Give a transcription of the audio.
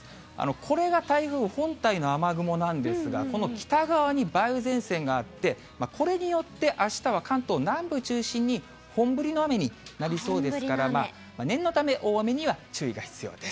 これが台風本体の雨雲なんですが、この北側に梅雨前線があって、これによって、あしたは関東南部中心に、本降りの雨になりそうですから、念のため、大雨には注意が必要です。